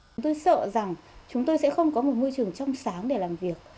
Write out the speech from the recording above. chúng tôi sợ rằng chúng tôi sẽ không có một môi trường trong sáng để làm việc